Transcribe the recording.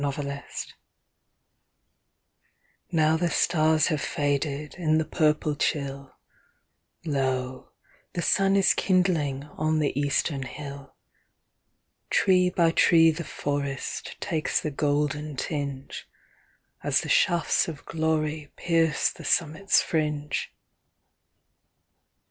At Sunrise Now the stars have faded In the purple chill, Lo, the sun is kindling On the eastern hill. Tree by tree the forest Takes the golden tinge, As the shafts of glory Pierce the summit's fringe.